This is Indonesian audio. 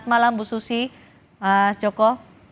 selamat malam bu susi mas joko